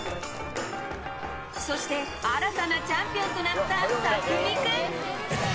そして新たなチャンピオンとなったたくみくん。